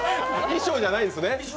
衣装じゃないんですね。